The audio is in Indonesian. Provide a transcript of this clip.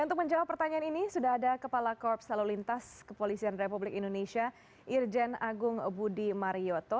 untuk menjawab pertanyaan ini sudah ada kepala korps lalu lintas kepolisian republik indonesia irjen agung budi marioto